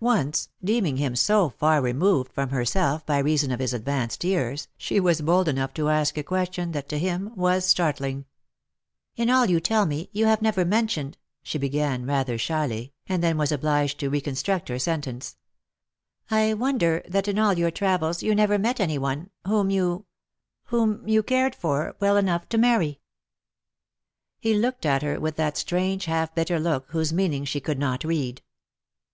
Once, deeming him so far removed from herself by reason of his advanced years, she was bold enough to ask a question that to him was startling :" In all you tell me, you have never mentioned " she began rather shyly, and then was obliged to reconstruct her sentence :" I wonder that in all your travels you never met any one — whom you — whom you cared for well enough to marry." He looked at her with that strange half bitter look whose meaning she could not read.